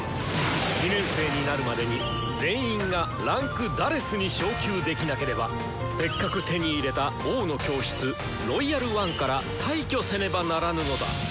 ２年生になるまでに全員が位階「４」に昇級できなければせっかく手に入れた「王の教室」「ロイヤル・ワン」から退去せねばならぬのだ！